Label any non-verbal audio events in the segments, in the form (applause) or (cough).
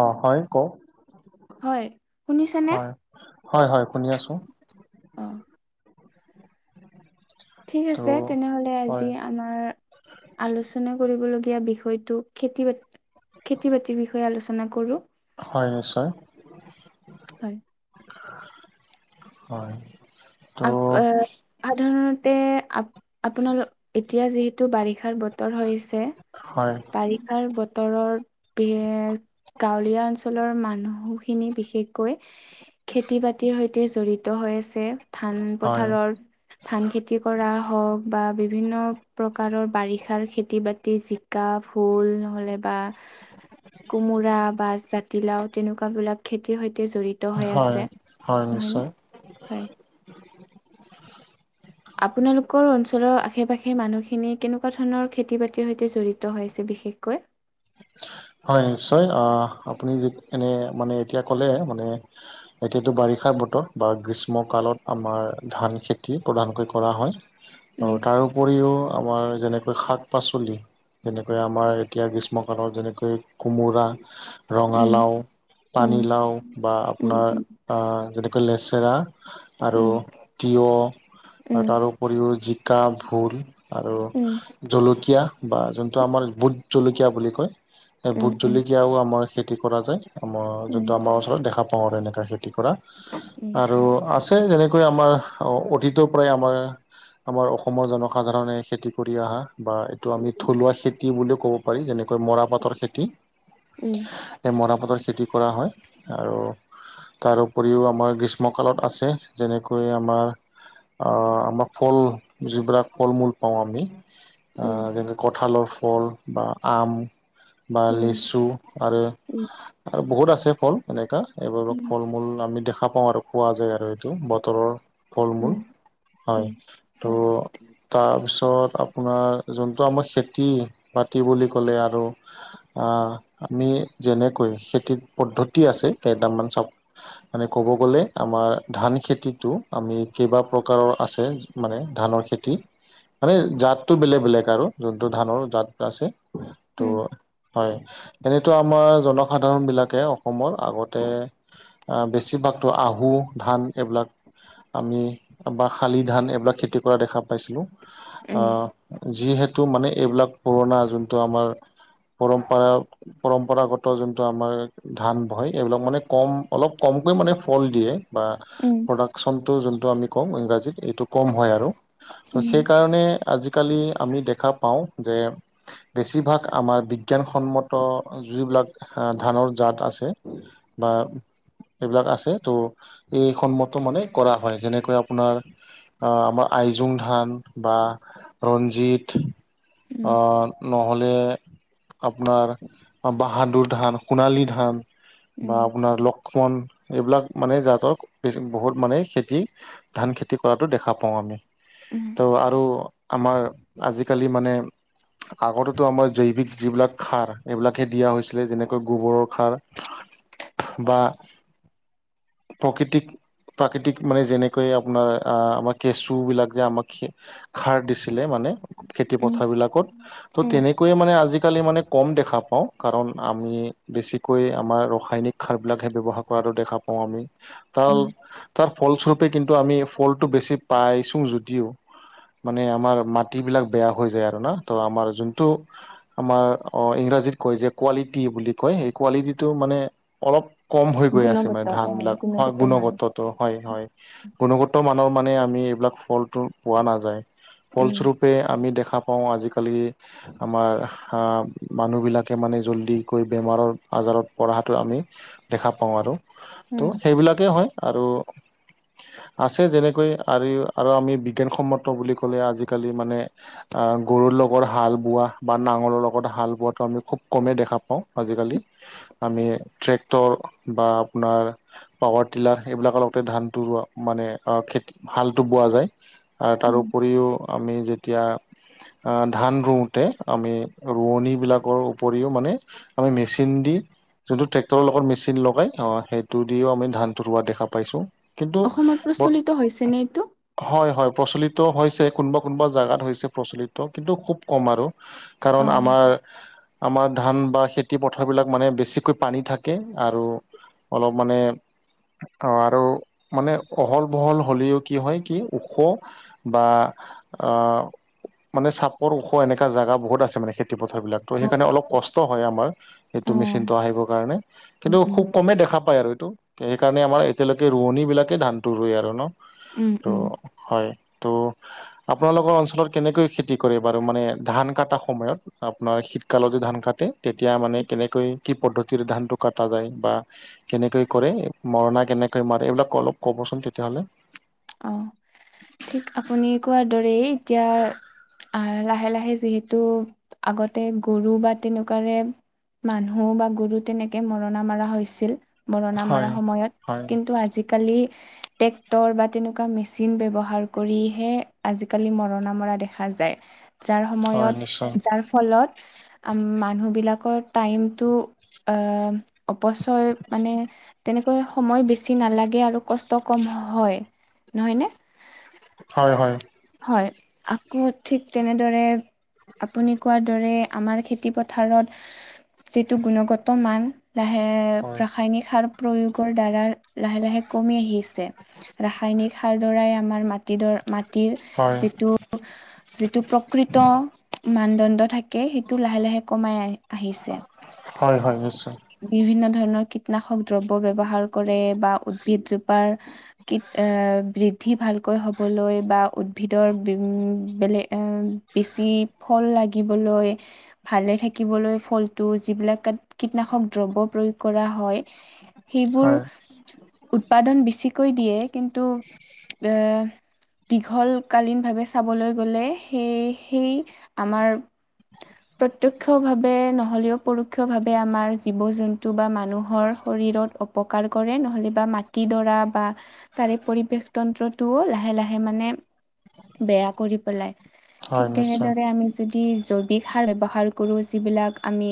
অ', হয় ক। হয় শুনিছে নে হয় হয় শুনি আছোঁ অ'। ঠিক ত' আছে তেনেহ'লে আজি। হয় আমাৰ আলোচনা কৰিবলগীয়া বিষয়টো খেতি-বাতি। খেতি-বাতিৰ বিষয়ে আলোচনা কৰোঁ। হয়, নিশ্চয়। (inaudible) হয়। (unintelligible) (inaudible) হয়। ত' আ (inaudible) সাধাৰণতে আ আপোনাৰ এতিয়া যিহেতু বাৰিষাৰ বত বতৰ হৈ আছে। (inaudible) হয়। (inaudible) বাৰিষাৰ বতৰত (inaudible) গাঁৱলীয়া অঞ্চলৰ মানুহখিনি বিশেষ কৈ খেতি-বাতিৰ সৈতে জড়িত হৈ আছে ধান হয় পথাৰৰ (inaudible) ধান খেতি কৰা হওক বা বিভিন্ন প্ৰকাৰৰ বাৰিষাৰ খেতি-বাতি যি (inaudible) জিকা, ভোল নহলে বা কোমোৰা বা জাতিলাও তেনেকুৱা বিলাক (inaudible) খেতিৰ সৈতে জড়িত হৈ হয় আছে হয় নহয় নে নিশ্চয় হয় (inaudible) আপোনালোকৰ অঞ্চলৰ আশে-পাশে মানুহখিনি কেনেকুৱা ধৰণৰ খেতি-বাতিৰ সৈতে জড়িত হৈছে বিশেষকৈ? (unintelligible) হয়, নিশ্চয়। অহ (inaudible) আপুনি এনে মানে এতিয়া ক'লে মানে এতিয়াতো বাৰিষা বতৰ বা গ্ৰীষ্মকালত আমাৰ ধান খেতি প্ৰধানকৈ কৰা হয়। (inaudible) (inaudible) আৰু উম তাৰো উপৰিও আমাৰ যেনেকৈ শাক-পাচলি যেনেকৈ আমাৰ এতিয়া গ্ৰীষ্মক (inaudible) (inaudible) যেনেকৈ কোমোৰা উম ৰঙালাও, উম পানীলাও বা উম আপোনাৰ (inaudible) (inaudible) যেনেকৈ লেচেৰা আৰু উম তিয়হ আৰু উম তাৰো উপৰিও জিকা, ভোল আৰু উম (inaudible) জলকীয়া বা যোনটো আমাৰ ভুট জলকীয়া বুলি (inaudible) (inaudible) উম ভোট উম জলকীয়াও আমাৰ খেতি কৰা যায়। আমাৰ উম যোনটো আমাৰ ওচৰত দেখা পাওঁ আৰু এনেকা খেতি কৰা উম আৰু আছ (inaudible) (inaudible) যেনেকৈ আমাৰ অতীতৰ পৰাই আমাৰ আমাৰ অসমৰ জনসাধাৰণে খেতি কৰি অহা (inaudible) বা এইটো আমি থলুৱা খেতি বুলিও ক'ব পাৰি যেনেকৈ মৰাপাটৰ খেতি। (inaudible) উম। (inaudible) এই মৰাপাটৰ খেতি কৰা হয় আৰু (inaudible) তাৰ উপৰিও আমাৰ গ্ৰীষ্মকালত আছে যেনেকৈ আমাৰ (inaudible) আহ আমাক ফল যিবিলাক ফল-মূল পাওঁ আমি (inaudible) উম (inaudible) যেনেকৈ কঁঠালৰ ফল বা আম বা উম লিচু উম আৰু-আৰু বহুত আছে ফল এনেকুৱা। (inaudible) এইবোৰক উম। ফল-মূল আমি দেখা পাওঁ আৰু খোৱা যায় আৰু এইটো বতৰৰ। (inaudible) উম, ফল-মূল উম, হয়। (inaudible) ত' হয়, তাৰপিছত আপোনাৰ যোনটো আমাৰ খেতি-বাতি বুলি (inaudible) ক'লে আৰু (inaudible) আহ আমি যেনেকৈ খেতিত পদ্ধতি আছে কেইটামান চব (inaudible) আমি ক'ব গ'লে আমাৰ ধান খেতিটো আমি কেইবা প্ৰকাৰৰ আছে। (inaudible) মানে ধানৰ খেতি। মানে জাতটো বেলেগ-বেলেগ আৰু যোনটো ধানৰ জাত আছে। (inaudible) ত উম, হয়। এনেতো আমাৰ জনসাধাৰণ বিলাকে অসমৰ আগতে (inaudible) (inaudible) বেছিভাগতো আহু ধান এইবিলাক আমি বা শালি ধান এইবিলাক খেতি কৰা দেখা পাইছিলোঁ। (inaudible) উম, আহ যিহেতু মানে এইবিলাক পুৰণা যোন (inaudible) টো আমাৰ পৰম্পৰা-পৰম্পৰাগত (inaudible) (inaudible) যোনটো আমাৰ ধান হয় এইবিলাক মানে কম অলপ কমকৈ মানে ফল দিয়ে বা উম তোমাক চনতো যোনটো আমি কওঁ ইংৰাজীত এইটো কম হয় আৰু ত উম, সেইকাৰণে আজিকালি আমি দেখা পাওঁ যে। বেছিভাগ আমাৰ বি বিজ্ঞানসন্মত যিবিলাক ধানৰ জাত আছে বা এইবিলাক আছে ত' এই সন্মতো মানে কৰা হয় যেনেকৈ আপোনাৰ। আহ আমাৰ আইজুং ধান বা ৰঞ্জিত। উম, অহ নহ'লে আপোনাৰ বাহাদুৰ ধান সোণালী ধান উম, উম, বা আপোনাৰ ল ক্ষমন এইবিলাক মানে জাতৰ বেছি বহুত মানে খেতি। ধান খেতি কৰাতো দেখা পাওঁ আমি। ত' আৰু আমাৰ আজিকালি মানে। আগতেতো আমাৰ জৈৱিক যিবিলাক খাৰ এইবিলাকহে দিয়া হৈছিলে যেনেকৈ গোবৰৰ খাৰ। বা বা প্ৰকৃতিক। প্ৰাকৃতিক মানে যেনেকৈ আপোনাৰ আ আমাৰ কেঁচুবিলাক যে আমাক। খাৰ দিছিলে মানে খেতি উম, পথাৰ বিলাকত। ত' উম, তেনেকৈয়ে মানে আজিকালি মানে কম দেখা পাওঁ কাৰণ আমি। বেছিকৈ আমাৰ ৰাসায়নিক সাৰ বিলাকহে ব্যৱহাৰ কৰাতো দেখা পাওঁ আমি তাৰ উম, তাৰ। ফলস্বৰূপে কিন্তু আমি ফলটো বেছি পাইছোঁ যদিও মানে আমাৰ মাটিবিলাক বেয়া হৈ যায় আৰু না ত' আমাৰ যোনটো। আমাৰ অহ ইংৰাজীত কয় যে কোৱালিটি বুলি কয় এই কোৱালিটিটো মানে। অলপ কম হৈ গৈ আছে গুণগত মানে ধান অ', বিলাক হয় মান। গুণগত। ত হয় হয় গুণগত মানৰ মানে আমি এইবিলাক ফলটো পোৱা নাযায়। উম। ফলস্বৰূপে আমি দেখা পাওঁ আজিকালি আমাৰ হাহঁ মানুহবিলাক কে মানে জল্ডিকৈ বেমাৰৰ আজাৰত পৰাটো আমি দেখা পাওঁ আৰু উম, ত' সেইবিলাকেই হয় আৰু আছে যেনেকৈ আৰু আৰু আমি বিজ্ঞানসন্মত বুলি ক'লে আজিকালি মানে। অহ গৰুৰ লগ। লগৰ হাল বোৱা বা নাঙলৰ লগত হাল বোৱাটো আমি খুব কমেই দেখা পাওঁ আজিকালি। আমি ট্ৰেক্টৰ বা আপোনাৰ। পাৱাৰ ডিলাৰ এইবিলাকৰ লগতে ধানটো ৰোৱা মানে খেতি হালত বোৱা যায়। আৰু তাৰো উপৰিও আমি যেতিয়া। অ (unintelligible) অহ ধান ৰুওতে আমি ৰোৱনীবিলাকৰ উপৰিও মানে আমি মেচিন দি। যোনটো ট্ৰেক্টৰৰ লগত মেচিন লগাই অহ সেইটো দিও আমি ধানটো ৰোৱা দেখা পাইছো। কিন্তু অসমত ব প্ৰচলিত হৈছেনে এইটো? হয় হয় প্ৰচলিত হৈছে কোনোবা কোনোবা জাগাত হৈছে প্ৰচলিত কিন্তু খুব কম আৰু। কাৰণ অ'। আমাৰ। আমাৰ ধান বা খেতি পথাৰ বিলাক মানে বেছিকৈ পানী থাকে আৰু। অলপ মানে অহ আৰু মানে অহল বহল হ'লেও কি হয় কি ওখ। বা অহ। মানে চাপৰ ওখ এনেকা জাগা বহুত আছে মানে খেতি পথাৰ বিলাক‌ তো সেইকাৰণে অ'। অলপ কষ্ট কষ্টত হয় আমাৰ সেইটো অ', মেচিনটো আহিবৰ কাৰণে। উম, কিন্তু উম, খুব কমেই দেখা পায় আৰু এইটো সেইকাৰণে আমাৰ এতিয়ালৈকে ৰোৱনী বিলাকে ধানটো ৰোৱে আৰু ন। উম, ত' উম, হয় ত' আপোনালোকৰ অঞ্চলত কেনেকৈ খতি খেতি কৰে বাৰু মানে ধান কটা সময়ত আপোনাৰ শীতকালত ধান কাটে তেতিয়া মানে কেনেকৈ কি পদ্ধতিৰে ধানতটো কটা যায় বা কেনেকৈ কৰে মৰণা কেনেকৈ মাৰে এইবিলাক অলপ ক'বচোন তেতিয়াহ'লে অ ঠিক আপুনি কোৱাৰ দৰেই এতিয়া আহ লাহে লাহে যিহেতু আগতে গৰু বা তেনেকুৱাৰে মানুহ বা গুৰু তেনেকে মৰণা মৰা হৈছিল মৰণা মৰা হয় সময়ত হয় কিন্তু আজিকালি টেক্টৰ বা তেনেকুৱা মেচিন ব্যৱহাৰ কৰিহে আজিকালি মৰণা মৰা দেখা যায় যাৰ হয় নিশ্চয় সময়ত যাৰ ফলত মানুহবিলাকৰ টাইমটো অপচয় মানে তেনেকৈ সময় বেছি নালাগে আৰু কষ্ট কম হয় নহয়নে হয় হয় হয় আকৌ ঠিক তেনেদৰে আপুনি কোৱাৰ দৰে আমাৰ খেতি পথাৰত যিটো গুণগত মান লাহে হয় ৰাসায়নিক সাৰ প্ৰয়োগৰ দ্বাৰা লাহে লাহে কমি আহিছে ৰাসায়নিক সাৰ দাৰাই আমাৰ মাটিডৰ মাটি (unintelligible) হয় যিটো যিটো প্ৰকৃত মানদণ্ড থাকে সেইটো লাহে লাহে কমাই আহ আহিছে হয় হয় নিশ্চয় বিভিন্ন ধৰণৰ কীটনাশক দ্ৰব্য ব্যৱহাৰ কৰে বা উ্ভিদজোপাৰ কি এ বৃদ্ধি ভালকৈ হ'বলৈ বা উদ্ভিদৰ উ মই বেলেগ এ বেছি ফল লাগিবলৈ ভালে থাকিবলৈ ফলটো যিবিলাক কীটনাশক দ্ৰব প্ৰয়োগ কৰা হয় সেইবোৰ হয় উৎপাদন বেছিকৈ দিয়ে কিন্তু এ দীঘলকালীনভাৱে চাবলৈ গ'লে সেই সেই আমাৰ প্ৰত্যয় ক্ষ ভাৱে নহলেও পৰোক্ষ ভাৱে আমাৰ জীৱ জন্তু বা মানুহৰ শৰীৰত অপকাৰ কৰে নহ'লে বা মাটিডৰা বা তাৰে পৰিৱেশ তন্ত্ৰতটোও লাহে লাহে হে মানে বেয়া কৰি পেলাই হয় ঠিক নিশ্চয় তেনেদৰে আমি যদি জৈৱিক সাৰ ব্যৱহাৰ কৰো যিবিলাক আমি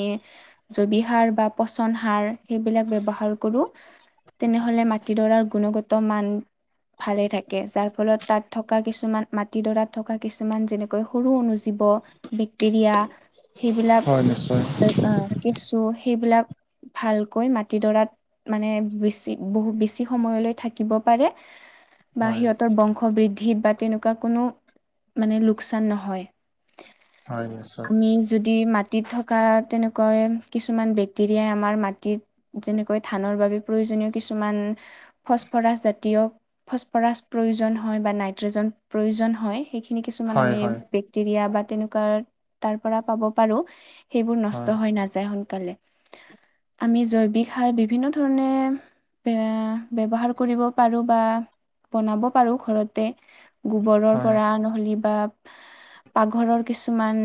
জৈৱিক সাৰ বা পচন সাৰ সেইবিলাক ব্যৱহাৰ কৰো তেনেহ'লে মাটিডৰাৰ গুণগত মান ভালেই থাকে যাৰ ফলত তাত থকা কিছুমান মাটিডৰাত থকা কিছুমান যেনেকৈ সৰু অনুজীৱ বেক্টেৰিয়া হয় নিশ্চয় সেইবিলাক কেঁচু সেইবিলাক ভালকৈ মাটিডৰাত মানে বেছি বহু বেছি সময়লৈ থাকিব পাৰে বা হয় সিহঁতৰ বংশ বৃদ্ধিত বা তেনেকুৱা কোনো মানে লোকচান নহয় হয় নিশ্চয় আমি যদি মা মাটিত থকা তেনেকুৱৈ কিছুমান বেক্টেৰিয়াই আমাৰ মাটিত যেনেকৈ ধানৰ বাবে প্ৰয়োজনীয় কিছুমান ফচফৰাছ জাতীয় ফচফৰাছ প্ৰয়োজন হয় হয় (unintelligible) ৰিয়া বা তেনেকুৱা তাৰ পৰা পাব পাৰো সেইবোৰ হয় নষ্ট হৈ নাযায় (unintelligible) আমি জৈৱিক সাৰ বিভিন্ন ধৰণে এ ব্যৱহাৰ কৰিব পাৰো বা বনাব পাৰো ঘৰতে গোবৰৰ হয় পৰা নহ'লে বা পাকঘৰৰ কিছুমান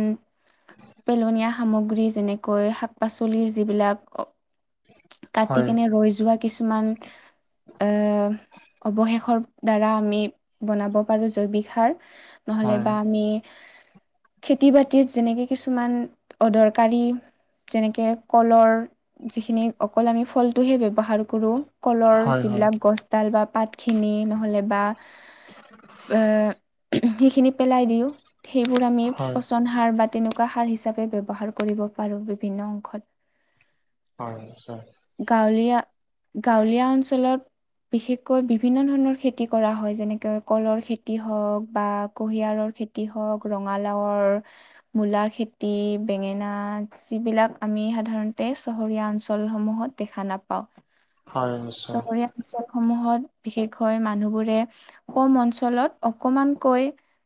পেলনীয়া সামগ্ৰী যেনেকৈ শাক পাচলিৰ যিবিলাক অ কাটি হয় কেনে ৰৈ যোৱা কিছুমান এ অৱশেষৰ দ্বাৰা আমি বনাব পাৰো জৈৱিক সাৰ নহলে হয় বা আমি খেতি-বাতিত যেনেকে কিছুমান অদৰকাৰী যেনেকে কলৰ, যিখিনি অকল আমি ফলটোহে ব্যৱহাৰ কৰোঁ। কলৰ হয় হয় যিবিলাক গছডাল বা পাতখিনি নহ'লে বা এ সিখিনি পেলাই দিওঁ, সেইবোৰ আমি হয় পচন সা সাৰ বা তেনেকুৱা সাৰ হিচাপে ব্যৱহাৰ কৰিব পাৰো বিভিন্ন অংশত হয় হয় গাঁৱলীয়া গাঁৱলীয়া অঞ্চলত বিশেষকৈ বিভিন্ন ধৰণৰ খেতি কৰা হয়। যেনেকৈ কলৰ খেতি হওঁক বা কুঁহিয়াৰৰ খেতি হওঁক, ৰঙালাওৰ, মূলা খেতি, বেঙেনা যিবিলাক আমি সাধাৰণতে চহৰীয়া অঞ্চলসমূহত দেখা নাপাওঁ, হয় নিশ্চয় চহৰীয়া অঞ্চলসমূহত বিশেষকৈ মানুহবোৰে কম অঞ্চলত অকমানকৈ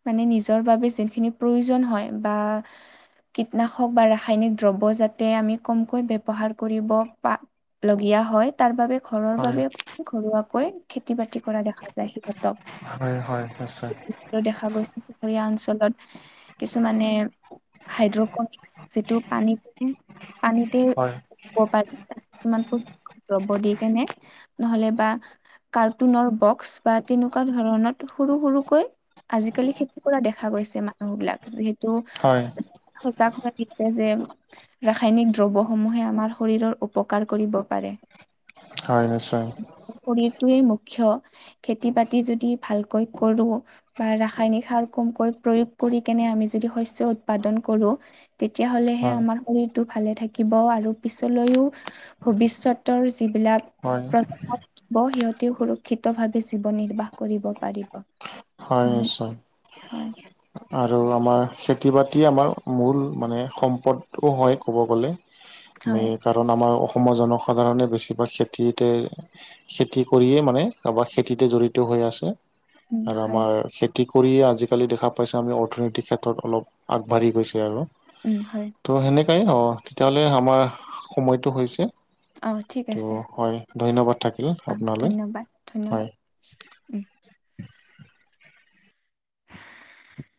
মানে নিজৰ বাবে যিখিনি প্ৰয়োজন হয় বা কীটনাশক বা ৰাসায়নিক দ্ৰব্য যাতে আমি কমকৈ ব্যৱহাৰ কৰিব পা লগীয়া হয়। তাৰ বাবে ঘৰৰ হয় বাবে ঘৰুৱাকৈ খেতি-বাতি কৰা দেখা যায় সিহঁতক। হয় হয় নিচয়। দেখা গৈছে চুবুৰীয়া অঞ্চলত কিছুমানে হাইড্ৰকনিক্স যিটো পানীকে, পানীতে হয় হব পাৰে কিছুমান বস্তু ল'ব দি কেনে নহ'লে বা কাৰ্টুনৰ বক্স বা তেনেকুৱা ধৰণত সৰু সৰুকৈ আজিকালি খেতি কৰা দেখা গৈছে মানুহ বিলাক, যিহেতু হয়। সজাগ হোৱা দেখচে যে ৰাসায়নিক দ্ৰব্যসমূহে আমাৰ শৰীৰৰ উপকাৰ কৰিব পাৰে। হয়, নিশ্চয় শৰীৰটোৱে মুখ্য, খেতি-বাতি যদি ভালকৈ কৰো বা ৰাসায়নিক সাৰ কমকৈ প্ৰয়োগ কৰি কেনে আমি যদি শস্য উৎপাদন কৰোঁ তেতিয়া হ'লেহে হয় আমাৰ শৰীৰটো ভালে থাকিব আৰু পিছলৈও ভৱিষ্যতৰ যিবিলাক হয় পজা থাকিব সিহঁতেও সুৰক্ষিত ভাৱে জীৱন-নিৰ্বাহ কৰিব পাৰিব হয় নিশ্চয়। হয় আৰু আমাৰ খেতি-বাতি আমাৰ মূল মানে সম্পদও হয় ক'ব গ'লে (inaudible) মে সেইকাৰনে আমাৰ অসমৰ জনসাধাৰণে বেছিভাগ খেতিতে খেতি কৰিয়ে মানে কাবাৰ খেতিতে জড়িত হৈ আছে। উম আৰু হয় আমাৰ খেতি কৰিয়ে আজিকালি দেখা পাইচো আমি অৰ্থনৈতিক ক্ষেত্ৰত অলপ আগবাঢ়ি গৈছে আৰু উম হয় ত' সেনেকাই অ, তেতিয়াহ'লে আমাৰ সময়টো হৈছে অ' ঠিক ত' আছে হয় ধন্যবাদ থাকিল অ আপোনালৈ ধন্যবাদ হয়। ধন্যবাদ উম (unintelligible)